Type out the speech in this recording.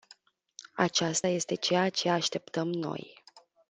Aceasta este ceea ce așteptăm noi.